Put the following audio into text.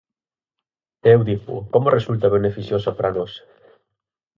E eu digo: ¿como resulta beneficiosa para nós?